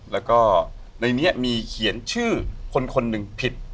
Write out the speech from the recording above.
แล้วก็ในนี้มีเขียนชื่อคนหนึ่งผิด